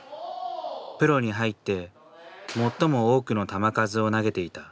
プロに入って最も多くの球数を投げていた。